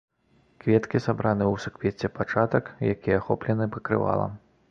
Кветкі сабраны ў суквецце пачатак, які ахоплены пакрывалам.